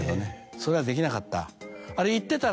それができなかった。